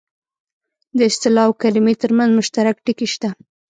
د اصطلاح او کلمې ترمنځ مشترک ټکي شته